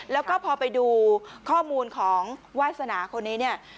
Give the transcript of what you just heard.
แล้วก็พอไปดูข้อมูลของวาสนาคนนี้เนี่ย